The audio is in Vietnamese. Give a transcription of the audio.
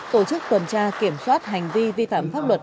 tổ chức tuần tra kiểm soát hành vi vi phạm pháp luật